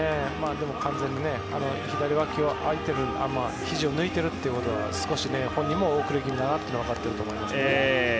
でも完全にひじを抜いているということは本人も遅れ気味だなということが分かっていたと思います。